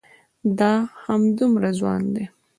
دای همدومره ځوان و.